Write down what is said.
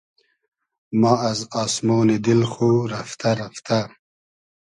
ما از آسمۉنی دیل خو رئفتۂ رئفتۂ